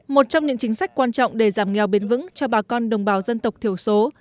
một trong những chính sách quan trọng để giảm nghèo bền vững cho bà con đồng bào dân tộc thiểu số